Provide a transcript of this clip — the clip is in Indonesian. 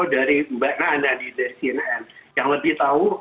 dari cnn yang lebih tahu